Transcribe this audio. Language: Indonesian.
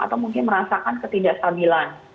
atau mungkin merasakan ketidakstabilan